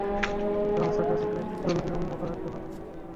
কিন্তু আনসারদের ছোট একটি দল বিলম্ব করাকে ভাল মনে করল।